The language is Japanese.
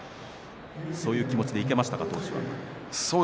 そういう気持ちでいきましたか当時は。